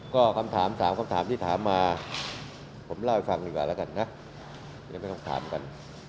ก็๓คำถามที่ถามมาผมเล่าให้ฟังดีกว่าแล้วกันไม่ต้องถามกัน